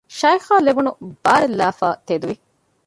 ޝައިހާ ލެވުނު ބާރެއްލައިފައި ތެދުވި